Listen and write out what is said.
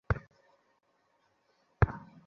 পেছন উঠো, ডনি।